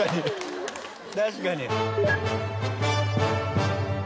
確かに。